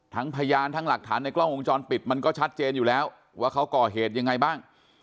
พยานทั้งหลักฐานในกล้องวงจรปิดมันก็ชัดเจนอยู่แล้วว่าเขาก่อเหตุยังไงบ้าง